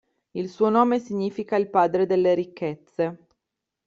Il suo nome significa "il padre delle ricchezze".